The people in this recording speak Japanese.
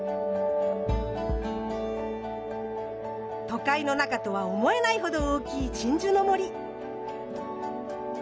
都会の中とは思えないほど大きい鎮守の森。